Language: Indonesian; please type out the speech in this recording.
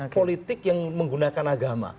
politik yang menggunakan agama